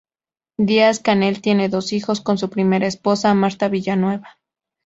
Díaz-Canel tiene dos hijos con su primera esposa, Marta Villanueva.